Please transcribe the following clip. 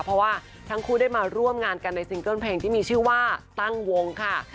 เพราะว่าทั้งคู่ได้มาร่วมงานกันในซิงเกิ้ลเพลงที่มีชื่อว่าตั้งวงค่ะ